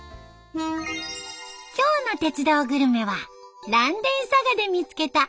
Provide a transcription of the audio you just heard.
今日の「鉄道グルメ」は嵐電嵯峨で見つけた椿餅。